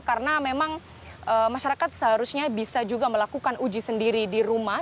karena memang masyarakat seharusnya bisa juga melakukan uji sendiri di rumah